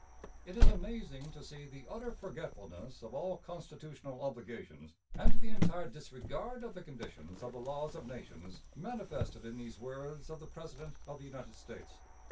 '" It is amazing to see the utter forgetfulness of all constitutional obligations and the entire disregard of the conditions of the laws of nations manifested in these words of the President of the United States.